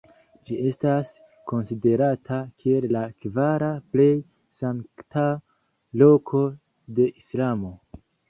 Ĝi estas konsiderata kiel la kvara plej sankta loko de Islamo.